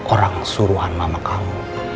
orang suruhan mama kamu